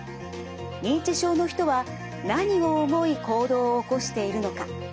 認知症の人は何を思い行動を起こしているのか。